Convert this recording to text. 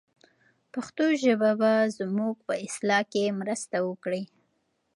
پښتو ژبه به زموږ په اصلاح کې مرسته وکړي.